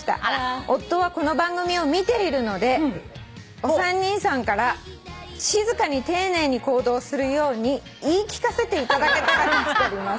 「夫はこの番組を見ているのでお三人さんから静かに丁寧に行動するように言い聞かせていただけたら助かります」